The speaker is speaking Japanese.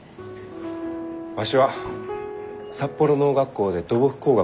わしは札幌農学校で土木工学を学んできた。